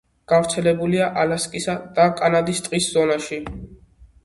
გავრცელებულია ალასკისა და კანადის ტყის ზონაში.